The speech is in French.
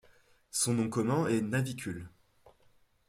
Son nom commun est Navicule.